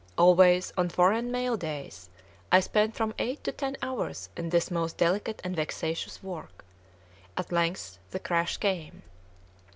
Always, on foreign mail days, I spent from eight to ten hours in this most delicate and vexatious work. At length the crash came.